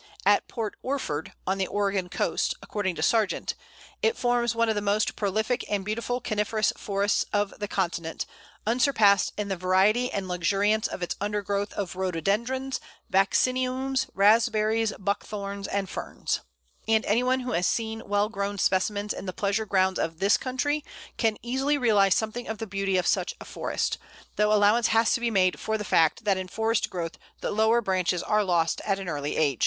At Port Orford, on the Oregon coast, according to Sargent, "it forms one of the most prolific and beautiful coniferous forests of the continent, unsurpassed in the variety and luxuriance of its undergrowth of Rhododendrons, Vacciniums, Raspberries, Buckthorns, and Ferns," and any one who has seen well grown specimens in the pleasure grounds of this country can easily realize something of the beauty of such a forest, though allowance has to be made for the fact that in forest growth the lower branches are lost at an early age.